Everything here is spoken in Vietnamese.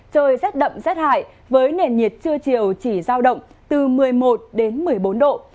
trời rất đậm rất hại với nền nhiệt chưa chiều chỉ giao động từ một mươi một đến một mươi bốn độ